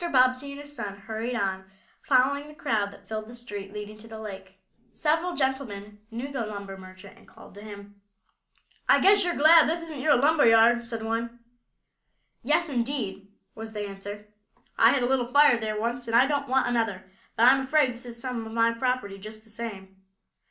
Bobbsey and his son hurried on, following the crowd that filled the street leading to the lake. Several gentlemen knew the lumber merchant, and called to him. "I guess you're glad this isn't your lumber yard," said one. "Yes, indeed," was the answer. "I had a little fire there once, and I don't want another. But I'm afraid this is some of my property just the same."